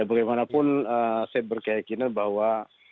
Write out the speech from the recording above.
bagaimanapun saya berkeyakinan bahwa